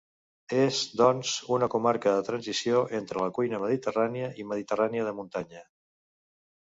És, doncs, una comarca de transició entre la cuina mediterrània i mediterrània de muntanya.